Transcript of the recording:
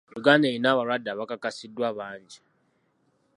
Uganda erina abalwadde abakakasiddwa bangi.